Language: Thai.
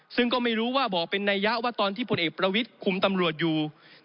ซึ่งก็ไม่รู้ว่าบอกเป็นนัยยะว่าตอนที่พลเอกประวิทย์คุมตำรวจอยู่